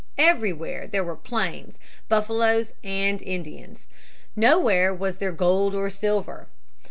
Everywhere there were plains, buffaloes, and Indians. Nowhere was there gold or silver.